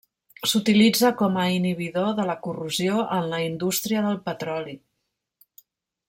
S'utilitza com a inhibidor de la corrosió en la indústria del petroli.